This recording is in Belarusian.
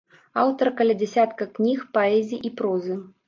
Аўтар каля дзясятка кніг паэзіі і прозы.